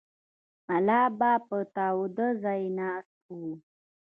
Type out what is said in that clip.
ملا به په تاوده ځای ناست و.